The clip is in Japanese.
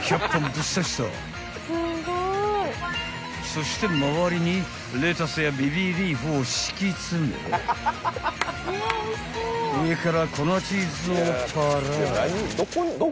［そして周りにレタスやベビーリーフを敷き詰め上から粉チーズをパラリ］